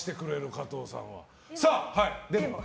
加藤さんは。